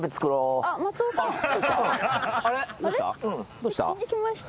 どうした？